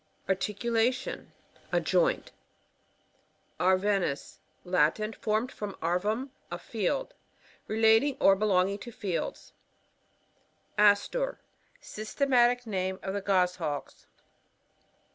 Articulation. — A joint. Arvensjs. — Lntin. Formed firoir atvum, a field. Relating or be. longing to fields. AsTUR— Systematic name of the Goshawkc.